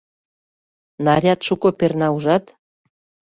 — Наряд шуко перна ужат?